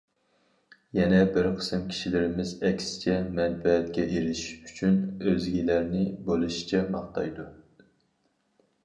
يەنە بىر قىسىم كىشىلىرىمىز ئەكسىچە مەنپەئەتكە ئېرىشىش ئۈچۈن ئۆزگىلەرنى بولۇشىچە ماختايدۇ.